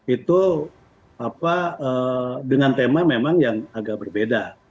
itu dengan tema memang yang agak berbeda